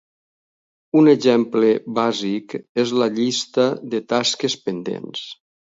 Un exemple bàsic és la llista de tasques pendents.